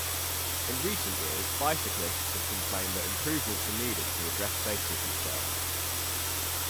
In recent years bicyclists have complained that improvements are needed to address safety concerns.